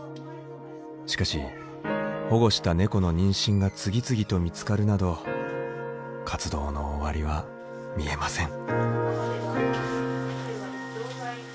しかし保護した猫の妊娠が次々と見つかるなど活動の終わりは見えません。